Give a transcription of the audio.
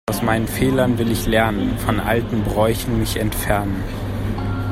Aus meinen Fehlern will ich lernen, von alten Bräuchen mich entfernen.